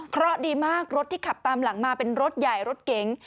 เพราะดีมากรถที่ขับตามหลังมาเป็นรถใหญ่รถเก๋ง